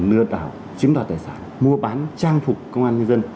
lừa đảo chiếm đoạt tài sản mua bán trang phục công an nhân dân